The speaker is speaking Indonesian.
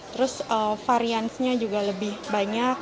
terus variannya juga lebih banyak